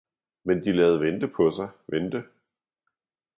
- men de lade vente paa sig, vente!